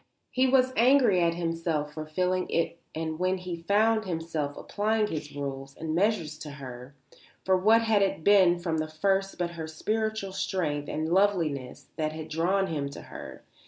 He was angry at himself for feeling it and when he found himself applying his rules and measures to her; for what had it been from the first but her spiritual strength and loveliness that had drawn him to her?